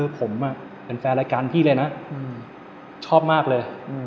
ผมเป็นแฟนรายการพี่เลยนะชอบมากเลย